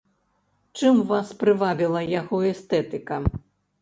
Чым вас прывабіла яго эстэтыка?